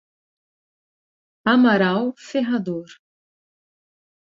Amaral Ferrador